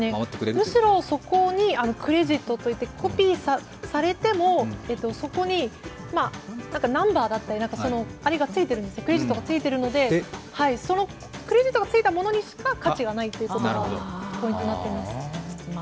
むしろそこにクレジットといって、コピーされてもそこにナンバーだったり、クレジットがついているので、クレジットがついたものにしか価値がないということがポイントになっています。